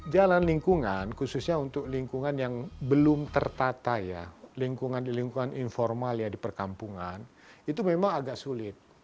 jalan lingkungan khususnya untuk lingkungan yang belum tertata ya lingkungan lingkungan informal ya di perkampungan itu memang agak sulit